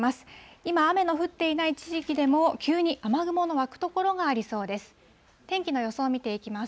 今、雨の降っていない地域でも、急に雨雲の湧く所がありそうです。